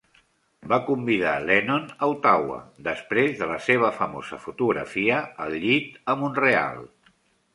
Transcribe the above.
Va convidar Lennon a Ottawa després de la seva famosa fotografia "al llit" a Montreal.